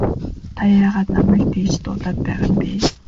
Та яагаад намайг та гэж дуудаад байгаа юм бэ?